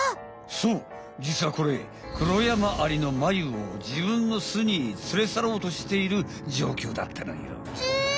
そうじつはこれクロヤマアリのマユを自分の巣に連れ去ろうとしているじょうきょうだったのよ。え！？